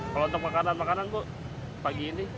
kalau untuk makanan makanan bu pagi ini